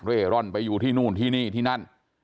ร่อนไปอยู่ที่นู่นที่นี่ที่นั่น